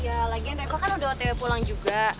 iya lagian reva kan udah otw pulang juga